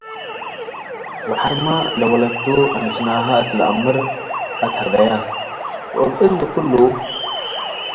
ወሐርመ ለወለቱ ዕምስናሀ እት ለአምር አትሀደየ፣ ወእብ እሊ ክሉ